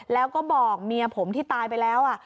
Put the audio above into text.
แล้วก็บอกเมียผมที่ตายไปแล้ว